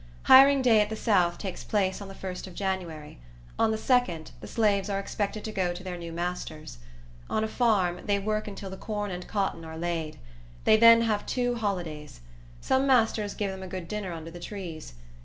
Hiring day at the south takes place on the 1st of January. On the 2d, the slaves are expected to go to their new masters. On a farm, they work until the corn and cotton are laid. They then have two holidays. Some masters give them a good dinner under the trees.